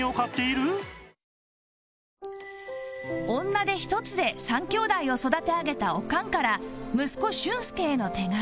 女手一つで３兄妹を育て上げたオカンから息子俊介への手紙